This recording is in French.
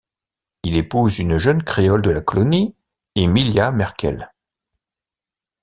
Il épouse une jeune créole de la colonie, Emilia Merkel.